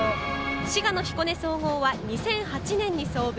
滋賀の彦根総合は２００８年に創部。